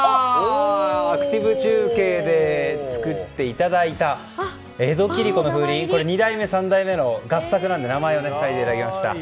アクティブ中継で作っていただいた江戸切子の風鈴２代目と３代目の合作で名前を入れていただきました。